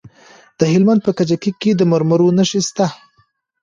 د هلمند په کجکي کې د مرمرو نښې شته.